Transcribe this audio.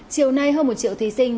chiều nay hơn một triệu thí sinh